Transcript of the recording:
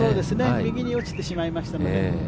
右に落ちてしまいましたね。